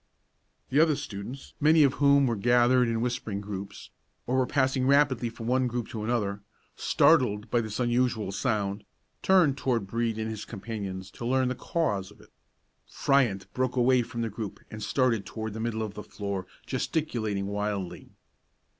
The other students, many of whom were gathered in whispering groups, or were passing rapidly from one group to another, startled by this unusual sound, turned toward Brede and his companions to learn the cause of it. Fryant broke away from the group and started toward the middle of the floor, gesticulating wildly.